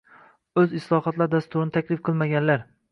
o‘z islohot dasturlarini taklif qilmaganlar